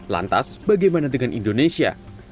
lantas bagaimana dengan indonesia